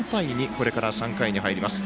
これから３回に入ります。